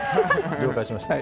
了解しました。